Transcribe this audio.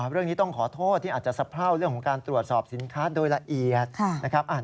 เรื่องนี้ต้องขอโทษที่อาจจะสะเพราเรื่องของการตรวจสอบสินค้าโดยละเอียดนะครับ